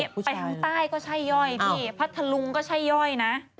ไปทางใต้ก็ใช่ย่อยพี่พัทธลุงก็ใช่ย่อยนะ